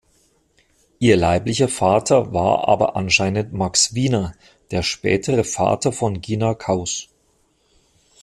Ihr leiblicher Vater war aber anscheinend Max Wiener, der spätere Vater von Gina Kaus.